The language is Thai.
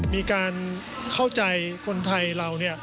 มีการเข้าใจคนไทยเรา